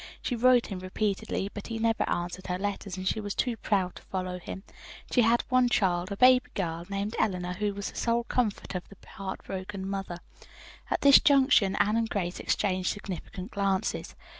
She wrote him repeatedly, but he never answered her letters, and she was too proud to follow him. She had one child, a baby girl, named Eleanor, who was the sole comfort of the heartbroken mother." At this juncture Anne and Grace exchanged significant glances.